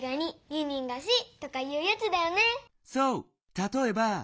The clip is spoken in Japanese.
たとえば。